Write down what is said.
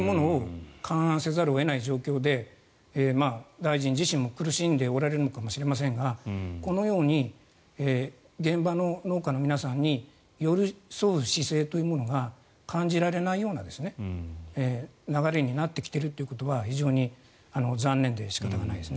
そういうものを勘案せざるを得ない状況で大臣自身も苦しんでおられるのかもしれませんがこのように現場の農家の皆さんに寄り添う姿勢が感じられないような流れになってきているということは非常に残念で仕方ないです。